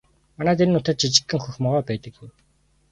Манай энэ нутагт жижигхэн хөх могой байдаг юм.